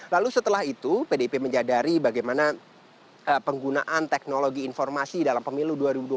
lalu setelah itu pdip menjadari bagaimana penggunaan teknologi informasi dalam pemilu dua ribu dua puluh